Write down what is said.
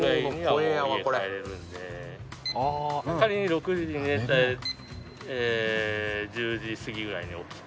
６時に寝て１０時過ぎぐらいに起きて。